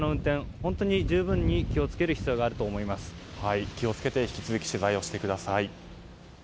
本当に十分に注意する気を付けて引き続き取材をしてください。